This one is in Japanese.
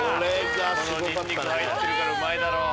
このニンニク入ってるからうまいだろう。